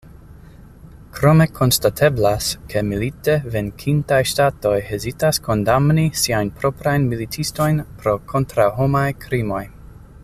Krome konstateblas, ke milite venkintaj ŝtatoj hezitas kondamni siajn proprajn militistojn pro kontraŭhomaj krimoj.